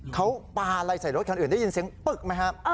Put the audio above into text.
เขาปลาอะไรใส่รถคันอื่นได้ยินเสียงปึ๊กไหมครับ